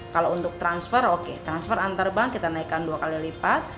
kalau untuk transfer oke transfer antar bank kita naikkan dua kali lipat